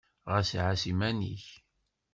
Ɣas ɛass iman-nnek!